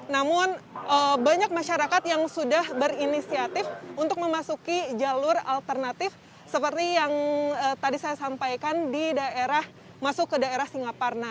namun banyak masyarakat yang sudah berinisiatif untuk memasuki jalur alternatif seperti yang tadi saya sampaikan di daerah masuk ke daerah singaparna